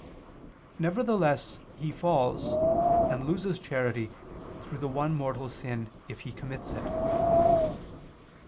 Nevertheless he falls, and loses charity through the one mortal sin if he commits it.